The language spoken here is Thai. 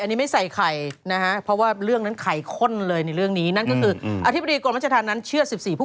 นะคะเพราะว่าเรื่องนั้นข้ายข้นเลยนึงเนี้ยก็ที่ไหนนั้นเฉียบ๑๔ผู้